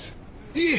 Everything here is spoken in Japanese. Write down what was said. いえ！